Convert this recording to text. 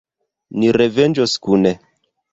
Ni revenĝos kune.